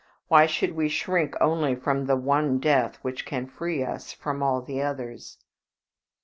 Why should we shrink only from the one death which can free us from all the others?"